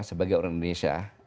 sebagai orang indonesia